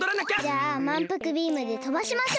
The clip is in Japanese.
じゃあまんぷくビームでとばしましょう！